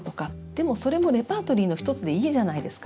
でもそれもレパートリーの１つでいいじゃないですか。